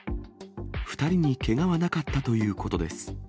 ２人にけがはなかったということです。